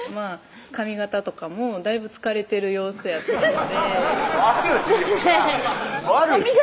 髪形とかもだいぶ疲れてる様子やったんで悪い言い方